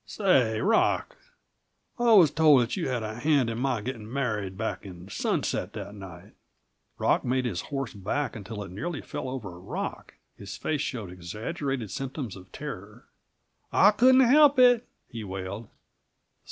"Say, Rock, I was told that you had a hand in my getting married, back in Sunset that night." Rock made his horse back until it nearly fell over a rock; his face showed exaggerated symptoms of terror. "I couldn't help it," he wailed.